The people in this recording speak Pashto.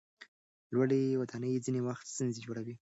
لوړې ودانۍ ځینې وخت ستونزې جوړوي.